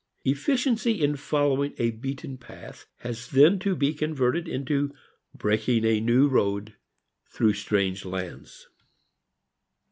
Efficiency in following a beaten path has then to be converted into breaking a new road through strange lands.